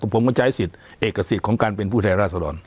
กระโปรงกันใจสิทธิ์เอกสิทธิ์ของการเป็นผู้ไทยราษฎร